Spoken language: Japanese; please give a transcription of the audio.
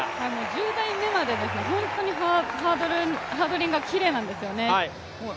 １０台目までハードリングがきれいなんですよね。